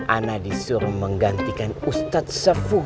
anak disuruh menggantikan ustadz sepu